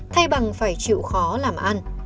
thay bằng phải chịu khó làm ăn